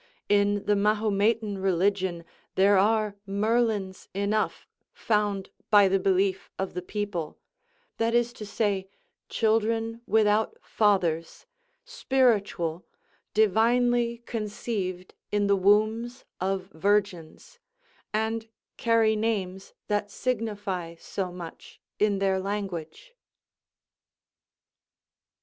In the Mahometan religion there are Merlins enough found by the belief of the people; that is to say, children without fathers, spiritual, divinely conceived in the wombs of virgins, and carry names that signify so much in their language.